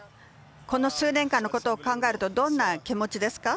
この数年間のことを考えるとどんな気持ちですか？